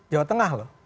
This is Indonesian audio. jawa tengah loh